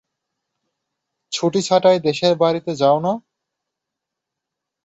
ছুটিছাঁটায় দেশের বাড়িতে যাও না?